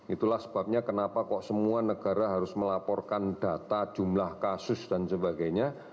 itulah sebabnya kenapa kok semua negara harus melaporkan data jumlah kasus dan sebagainya